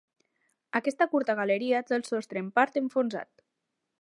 Aquesta curta galeria té el sostre en part enfonsat.